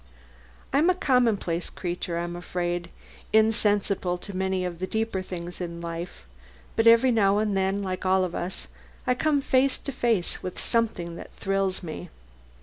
I'm a commonplace creature, I'm afraid, insensible to many of the deeper things in life, but every now and then, like all of us, I come face to face with something that thrills me.